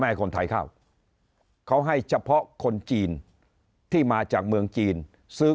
ให้คนไทยเข้าเขาให้เฉพาะคนจีนที่มาจากเมืองจีนซื้อ